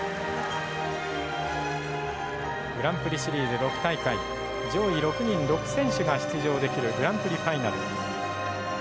グランプリシリーズ６大会上位６人６選手が出場できるグランプリファイナル。